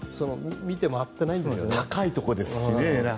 見て回ってないんですよね。